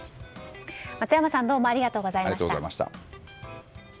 松山さんどうもありがとうございました。